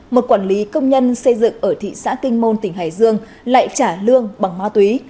một quản lý công nhân xây dựng ở thị xã kinh môn tỉnh hải dương lại trả lương bằng ma túy